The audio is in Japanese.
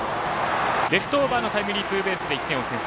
レフトオーバーのタイムリーツーベースで１点を先制。